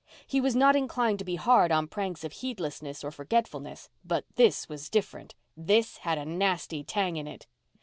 He was not inclined to be hard on pranks of heedlessness or forgetfulness, but this was different. This had a nasty tang in it.